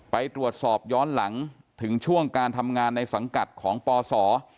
ไปตรวจสอบย้อนหลังถึงช่วงการทำงานในสังกัดของปศ